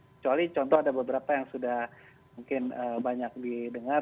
kecuali contoh ada beberapa yang sudah mungkin banyak didengar